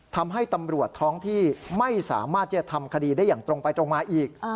ทำให้ตำรวจท้องที่ไม่สามารถจะทำคดีได้อย่างตรงไปตรงมาอีก